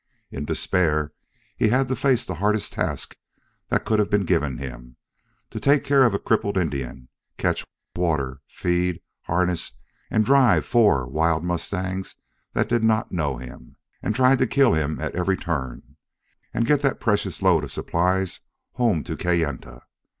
In despair he had to face the hardest task that could have been given him to take care of a crippled Indian, catch, water, feed, harness, and drive four wild mustangs that did not know him and tried to kill him at every turn, and to get that precious load of supplies home to Kayenta.